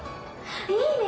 「いいね！